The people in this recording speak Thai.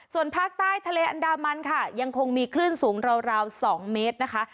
ส่วนภาคใต้ทะเลอันดามันค่ะยังคงมีคลื่นสูงราว๒เมตรนะคะ